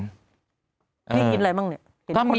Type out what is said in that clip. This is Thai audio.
พี่กินอะไรบ้างเนี่ย